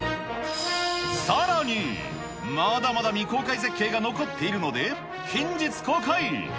さらに、まだまだ未公開絶景が残っているので、近日公開。